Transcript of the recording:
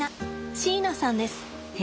椎名さんです。